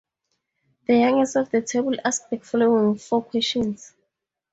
The youngest of the table asks the following four questions.